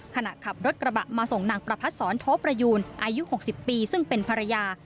ขณะขับรถกระบะมาส่งนางประพัดศรโทประยูนอายุ๖๐ปีซึ่งเป็นภรรยา